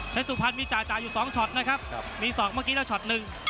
เทสุภัณฑ์มีจาร์อยู่๒ช็อตนะครับมี๒มากี้แบบ๑